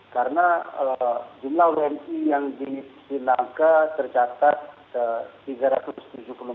karena jumlah uni yang di sri lanka tercatat tiga ratus tujuh puluh empat orang